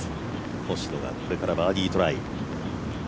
星野がこれからバーディートライ。